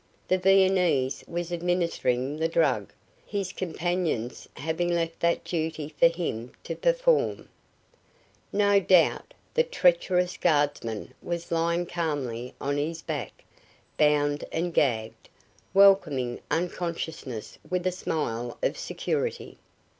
The Viennese was administering the drug, his companions having left that duty for him to perform. No doubt the treacherous guardsman was lying calmly on his back, bound and gagged, welcoming unconsciousness with a smile of security.